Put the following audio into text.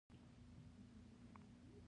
انا له بېځایه خبرو پرهېز کوي